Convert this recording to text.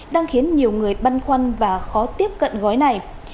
đang khiến nhiều người băn khoăn và khó tiếp cận gói này